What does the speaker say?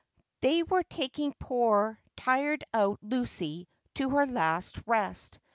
They were taking poor, tired out Lucy to her last rest.